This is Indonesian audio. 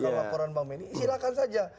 dalam laporan bang benny silahkan saja